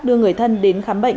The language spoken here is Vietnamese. đưa người thân đến khám bệnh